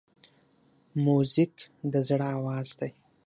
موزیک د زړه آواز دی.